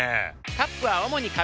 カップは主に紙。